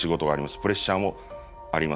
プレッシャーもあります。